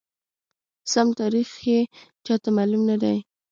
سم تاریخ یې چاته معلوم ندی،